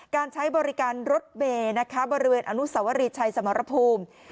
การใช้บริการรถเมย์นะคะบริเวณอนุสวรีชัยสมรภูมิ